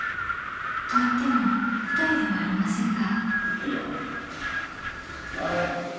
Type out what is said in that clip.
［といっても舞台ではありませんが］